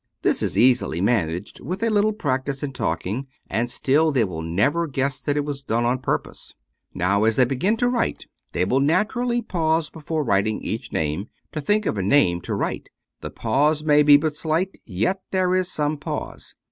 This is easily managed with a little practice in talking, and still they will never guess that it is done on purpose. Now, as they begin to write, they will naturally pause before writing each name, to think of a name to write. The pause may be but slight, yet there is some pause.